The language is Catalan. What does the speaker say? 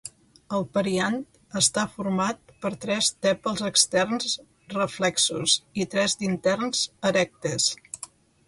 El periant està format per tres tèpals externs reflexos i tres d'interns erectes.